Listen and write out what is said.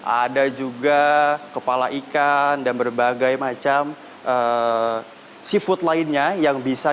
ada juga kepala ikan dan berbagai macam seafood lainnya